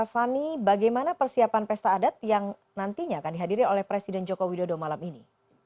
fani bagaimana persiapan pesta adat yang nantinya akan dihadiri oleh presiden joko widodo malam ini